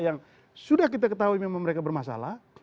yang sudah kita ketahui memang mereka bermasalah